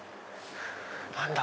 何だ？